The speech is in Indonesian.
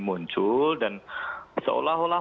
muncul dan seolah olah